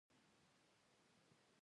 کتاب مي ورکړ او کتاب مې ورکړ.